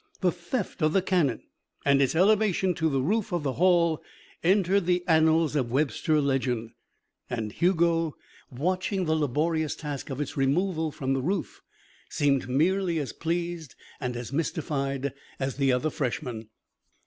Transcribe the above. The theft of the cannon and its elevation to the roof of the hall entered the annals of Webster legend. And Hugo, watching the laborious task of its removal from the roof, seemed merely as pleased and as mystified as the other freshmen.